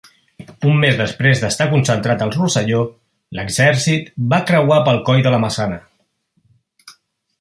Un mes després d'estar concentrat al Rosselló, l'exèrcit va creuar pel Coll de la Maçana.